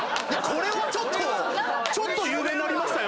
これはちょっと有名になりましたよ。